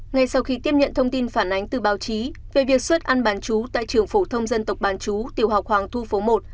ngay sau khi tiếp nhận thông tin phản ánh từ báo chí về việc xuất ăn bán chú tại trường phổ thông dân tộc bán chú tiểu học hoàng thu phố một